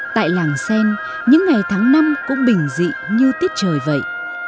tại làng sen những ngày tháng năm cũng bình dị như tiết trời vậy